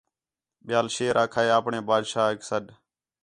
ٻِیال شیر آکھا ہِے اپݨے بادشاہیک سَݙ